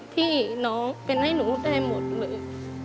ที่น้องเป็นให้หนูได้หมดเลย